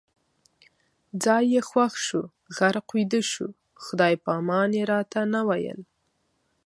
ځای یې خوښ شو، غرق ویده شو، خدای پامان یې راته نه ویل